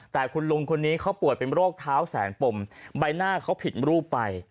แต่คุณลุงคนนี้เขาป่วยเป็นโรคเท้าแสนปมใบหน้าเขาผิดรูปไป